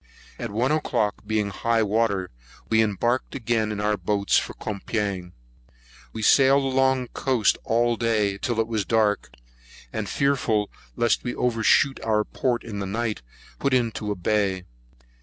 At one o'clock, being high water, we embarked again in our boats for Coupang. We sailed along the coast all day till it was dark; and, fearful lest we should over shoot our port in the night, put into a bay.